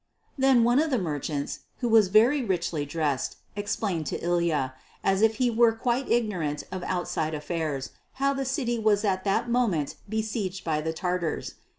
Then one of the merchants, who was very richly dressed, explained to Ilya, as if he were quite ignorant of outside affairs, how the city was at that moment besieged by the Tatars.